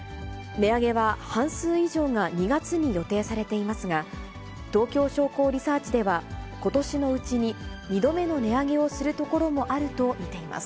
値上げは半数以上が２月に予定されていますが、東京商工リサーチでは、ことしのうちに２度目の値上げをするところもあると見ています。